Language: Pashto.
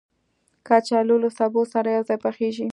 کچالو له سابه سره یو ځای پخېږي